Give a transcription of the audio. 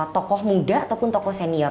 tokoh muda ataupun tokoh senior